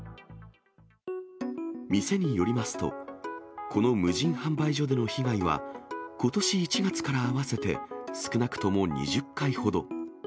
店によりますと、この無人販売所での被害は、ことし１月から、合わせて少なくとも２０回ほど。